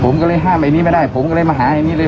ผมก็เลยห้ามไอ้นี้ไม่ได้ผมก็เลยมาหาอย่างนี้เลย